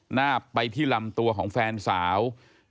หน้าไปที่ลำตัวของแฟนสาว